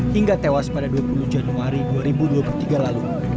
hingga tewas pada dua puluh januari dua ribu dua puluh tiga lalu